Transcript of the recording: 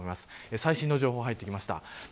最新の情報が入ってきました。